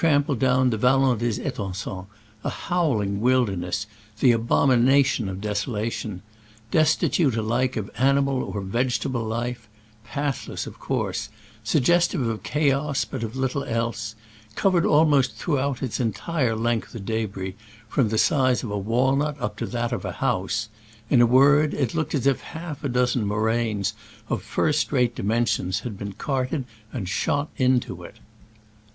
83 ed down the Vallon des foan9ons, a howling wilderness, the abomination of desolation ; destitute alike of animal or vegetable life ; pathless, of course ; sug gestive of chaos, but of little else ; cov ered almost throughout its entire length with debris, from the size of a walnut up to that of a house : in a word, it iooked as if half a dozen moraines of first rate dimensions had been carted and shot into it.